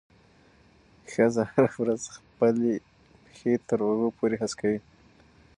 ښځه هره ورځ خپل پښې تر اوږو پورې هسکوي.